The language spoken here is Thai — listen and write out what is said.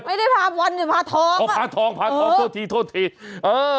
ไม่ได้พาบอลหรือพาทองพอพาทองพาทองโทษทีโทษทีเออ